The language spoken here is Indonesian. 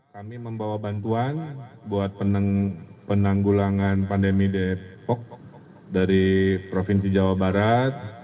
kami membawa bantuan buat penanggulangan pandemi depok dari provinsi jawa barat